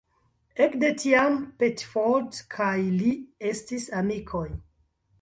Ekde tiam Pettiford kaj li estis amikoj.